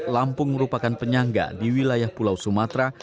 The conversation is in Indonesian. lampung merupakan penyangga di wilayah pulau sumatera